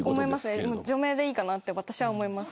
除名でいいかなと私は思います。